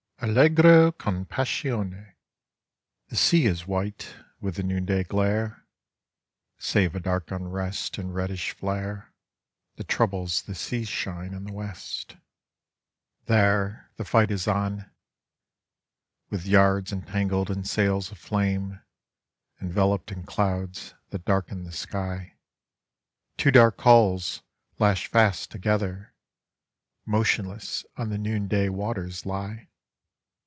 Allegro con paaalone . The sea is white with the noonday glare, Save a dark unrest and reddish flare That troubles the seashine in the Vest. .. Digitized by Google (If) (13) There th* f ight is on \7ith yards entangled and sal 1b aflame, lfinve loped in clouds that darken the sky, Two dark hulls, lashed fast together, 1'otionless on the noonday' water b lie.